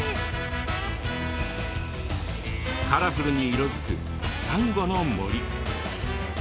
カラフルに色づくサンゴの森。